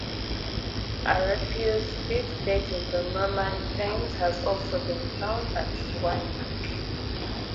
A refuse pit dating from Roman times has also been found at Swanwick.